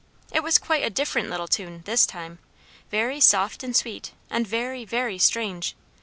It was quite a different little tune, this time, very soft and sweet, and very, very strange.